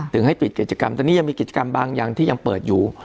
ให้ปิดกิจกรรมตอนนี้ยังมีกิจกรรมบางอย่างที่ยังเปิดอยู่